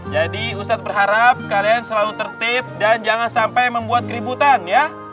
jadi ustad berharap kalian selalu tertib dan jangan sampai membuat keributan ya